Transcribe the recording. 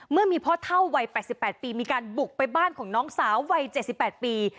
เมื่อมีพ่อเท่าวัย๘๘ปีมีการบุกไปบ้านของน้องสาววัย๗๘ปี